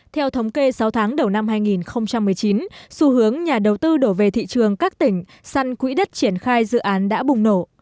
theo thống kê sáu tháng đầu năm hai nghìn một mươi chín xu hướng nhà đầu tư đổ về thị trường các tỉnh săn quỹ đất triển khai dự án đã bùng nổ